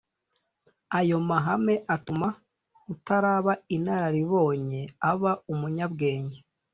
Ayo mahame atuma utaraba inararibonye aba umunyabwenge